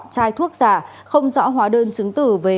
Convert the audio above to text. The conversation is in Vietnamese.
chai thuốc giả không rõ hóa đơn chứng tử về